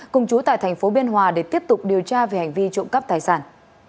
cùng chú tại tp biên hòa để tiếp tục điều tra về hành vi trộm cắp tài sản